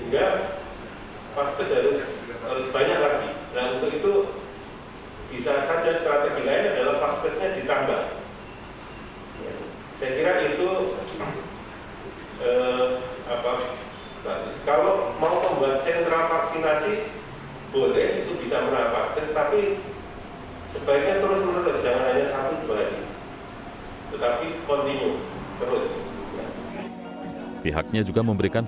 kabupaten kota jawa tengah julianto prabowo mengatakan